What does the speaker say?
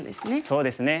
そうですね。